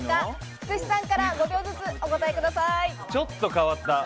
福士さんから５秒ずつお答えください。